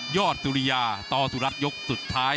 สุริยาต่อสุรัตนยกสุดท้าย